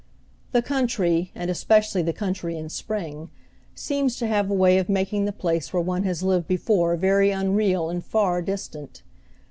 The country, and especially the country in spring, seems to have a way of making the place where one has lived before very unreal and far distant.